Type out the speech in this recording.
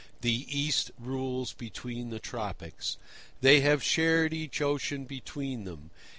The East rules between the Tropics. They have shared each ocean between them.